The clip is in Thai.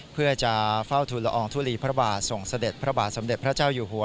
เพื่อจะเฝ้าทุลอองทุลีพระบาทส่งเสด็จพระบาทสมเด็จพระเจ้าอยู่หัว